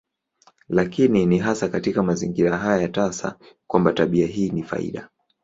Lakini ni hasa katika mazingira haya tasa kwamba tabia hii ni faida.